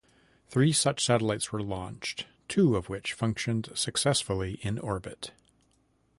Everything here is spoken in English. Three such satellites were launched, two of which functioned successfully in orbit.